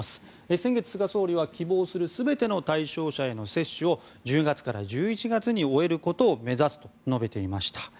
先月、菅総理は希望する全ての対象者への接種を１０月から１１月に終えることを目指すと述べていました。